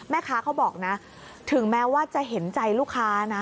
แม่ค้าเขาบอกถึงแม้ว่าจะเห็นใจลูกค้า